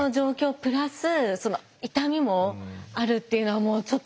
プラス痛みもあるっていうのはもうちょっと過酷すぎて。